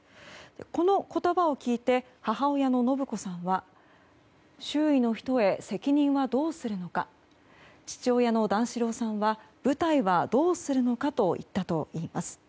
この言葉を聞いて母親の延子さんは周囲の人へ責任はどうするのか父親の段四郎さんは舞台はどうするのかと言ったといいます。